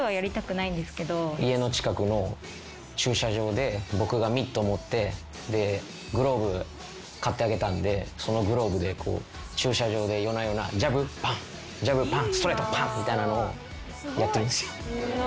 家の近くの駐車場で僕がミット持ってでグローブ買ってあげたんでそのグローブで駐車場で夜な夜なジャブパンジャブパンストレートパンみたいなのをやってます。